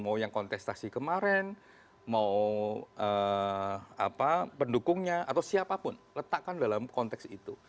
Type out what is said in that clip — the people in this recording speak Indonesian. mau yang kontestasi kemarin mau pendukungnya atau siapapun letakkan dalam konteks itu